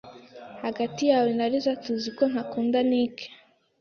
Hagati yawe na Lisa, tuzi ko ntakunda Nick.